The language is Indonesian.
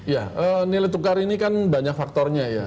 ya nilai tukar ini kan banyak faktornya ya